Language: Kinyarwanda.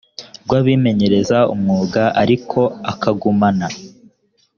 rw abimenyereza umwuga ariko akagumana